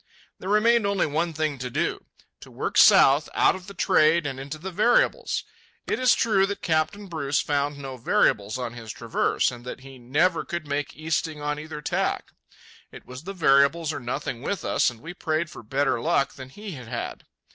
There remained only one thing to do—to work south out of the trade and into the variables. It is true that Captain Bruce found no variables on his traverse, and that he "never could make easting on either tack." It was the variables or nothing with us, and we prayed for better luck than he had had.